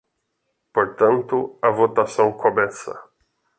Portanto, a votação começa.